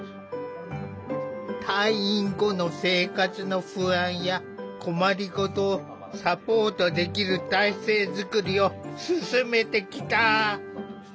退院後の生活の不安や困りごとをサポートできる体制づくりを進めてきた。